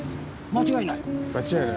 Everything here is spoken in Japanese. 間違いない。